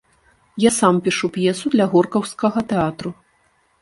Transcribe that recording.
Я сам пішу п'есу для горкаўскага тэатру.